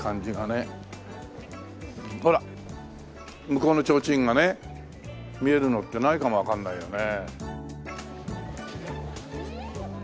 向こうのちょうちんがね見えるのってないかもわかんないよね。